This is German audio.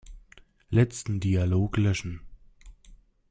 Letzten Dialog löschen.